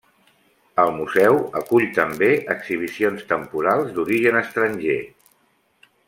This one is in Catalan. El museu acull també exhibicions temporals d'origen estranger.